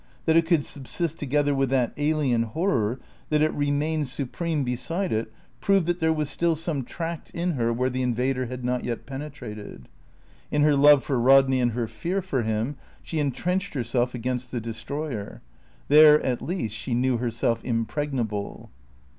That it could subsist together with that alien horror, that it remained supreme beside it, proved that there was still some tract in her where the invader had not yet penetrated. In her love for Rodney and her fear for him she entrenched herself against the destroyer. There at least she knew herself impregnable.